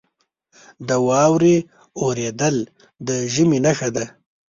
• د واورې اورېدل د ژمي نښه ده.